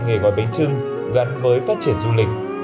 nghề gỏi bánh chưng gắn với phát triển du lịch